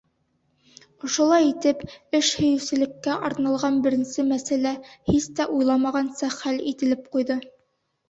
Ошолай итеп, эш һөйөүсәнлеккә арналған беренсе мәсьәлә һис тә уйламағанса хәл ителеп ҡуйҙы.